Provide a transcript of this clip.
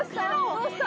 どうした？